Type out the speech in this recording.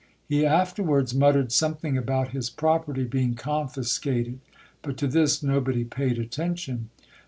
He afterwards muttered something about his property being confiscated, but to this nobody paid attention.